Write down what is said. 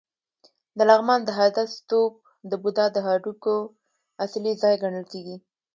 د لغمان د هده ستوپ د بودا د هډوکو اصلي ځای ګڼل کېږي